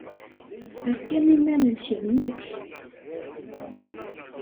Err kan iman-nnek d nekk.